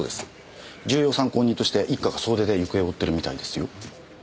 重要参考人として一課が総出で行方を追ってるみたいですよ。